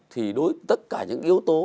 thì đối tất cả những yếu tố